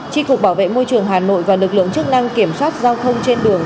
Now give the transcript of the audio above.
tri cục bảo vệ môi trường hà nội và lực lượng chức năng kiểm soát giao thông trên đường